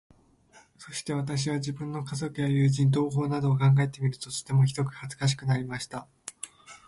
そして私は、自分の家族や友人、同胞などを考えてみると、とてもひどく恥かしくなりました。